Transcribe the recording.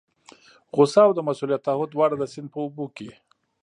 غوسه او د مسؤلیت تعهد دواړه د سیند په اوبو کې.